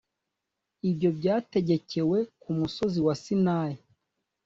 Ibyo byategekewe ku musozi wa Sinayi